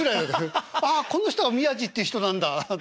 あっこの人が宮治って人なんだっていう。